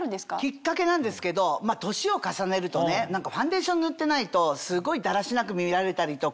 きっかけなんですけど年を重ねるとねファンデーション塗ってないとすごいだらしなく見られたりとか。